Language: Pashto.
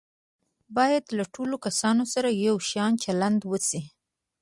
باید له ټولو کسانو سره یو شان چلند وشي.